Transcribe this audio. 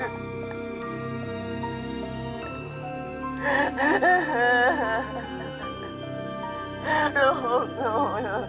ลูกหนูลูกหนู